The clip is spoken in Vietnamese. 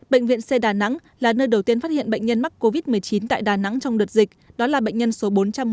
bệnh viện c đà nẵng là nơi đầu tiên phát hiện bệnh nhân mắc covid một mươi chín tại đà nẵng trong đợt dịch đó là bệnh nhân số bốn trăm một mươi